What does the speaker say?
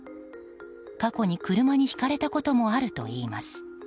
過去に車にひかれたこともあるといいます。